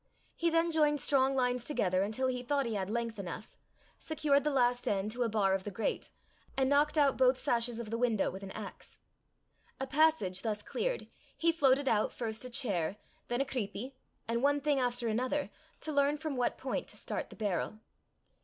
He then joined strong lines together until he thought he had length enough, secured the last end to a bar of the grate, and knocked out both sashes of the window with an axe. A passage thus cleared, he floated out first a chair, then a creepie, and one thing after another, to learn from what point to start the barrel.